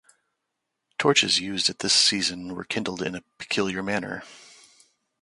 The torches used at this season were kindled in a peculiar manner.